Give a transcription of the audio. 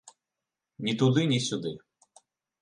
Ні туды, ні сюды.